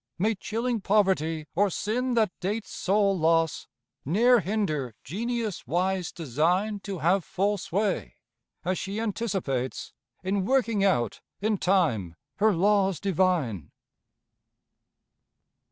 May chilling poverty, or sin that dates Soul loss, ne'er hinder Genius' wise design To have full sway as she anticipates In working out, in time, her laws divine.